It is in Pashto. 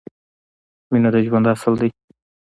مینه د ژوند اصل ده